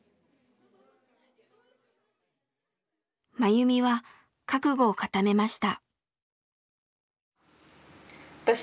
マユミは覚悟を固めました。